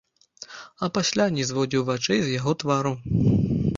А пасля не зводзіў вачэй з яго твару.